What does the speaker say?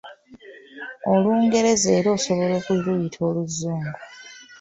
Olungereza era osobola okuluyita Oluzungu.